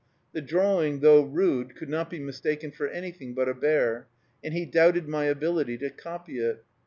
The drawing, though rude, could not be mistaken for anything but a bear, and he doubted my ability to copy it.